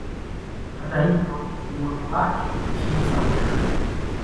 Hata hivyo uwepo wake Nchini Saudi Arabia